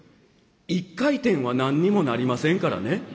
一回転は何にもなりませんからね」。